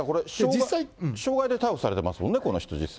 傷害で逮捕されてますもんね、この人、実際。